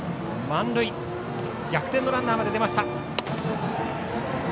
満塁で、逆転のランナーまで出ました。